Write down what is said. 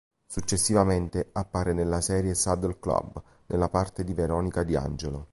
Successivamente appare nella serie "Saddle Club" nella parte di Veronica di Angelo.